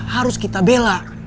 harus kita bela